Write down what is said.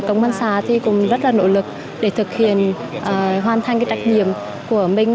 công an xã thì cũng rất là nỗ lực để thực hiện hoàn thành trách nhiệm của mình